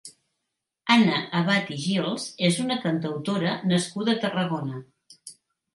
Anna Abad i Gils és una cantautora nascuda a Tarragona.